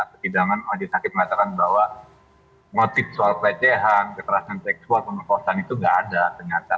kecidangan wajib sakit mengatakan bahwa motif soal kecehan keterasan seksual pengekosan itu tidak ada ternyata